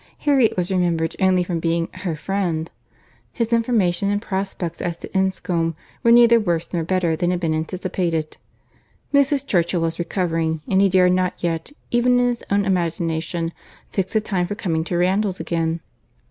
Harriet was remembered only from being her friend. His information and prospects as to Enscombe were neither worse nor better than had been anticipated; Mrs. Churchill was recovering, and he dared not yet, even in his own imagination, fix a time for coming to Randalls again.